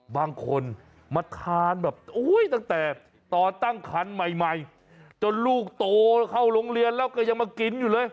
บางคนมาทานแบบตั้งแต่ตอนตั้งคันใหม่จนลูกโตเข้าโรงเรียนแล้วก็ยังมากินอยู่เลย